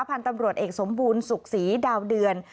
พันธุ์ตำรวจเอกสมบูรณ์สุขศรีดาวเดือน